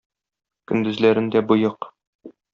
Көндезләрен дә боек.